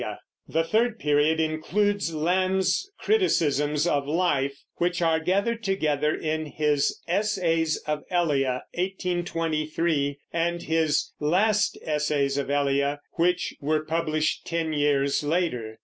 The third period includes Lamb's criticisms of life, which are gathered together in his Essays of Elia (1823), and his Last Essays of Elia, which were published ten years later.